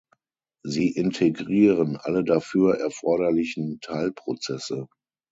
Sie integrieren alle dafür erforderlichen Teilprozesse.